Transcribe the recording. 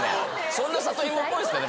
そんな里芋っぽいっすかね？